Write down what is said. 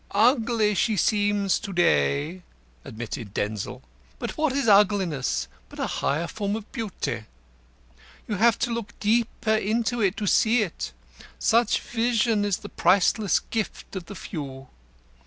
"Ugly she seems to day," admitted Denzil. "But what is Ugliness but a higher form of Beauty? You have to look deeper into it to see it; such vision is the priceless gift of the few.